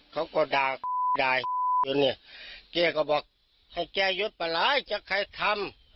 เขาก็ด่าอยู่เนี่ยเจ๊ก็บอกให้เจ๊หยุดไปเลยจะใครทำ